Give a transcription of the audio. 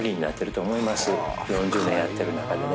４０年やってる中でね。